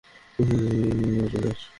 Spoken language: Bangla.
বুঝতে পারছি তুই কি করতে চাস।